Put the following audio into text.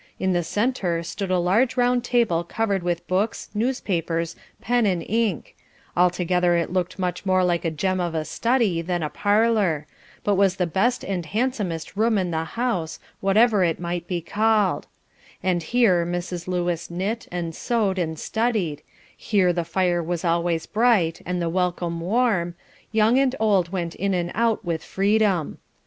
In the centre stood a large round table covered with books, newspapers, pen and ink; altogether it looked much more like a gem of a study than a parlour, but was the best and handsomest room in the house, whatever it might be called; and here Mrs. Lewis knit, and sewed and studied, here the fire was always bright and the welcome warm; young and old went in and out with freedom.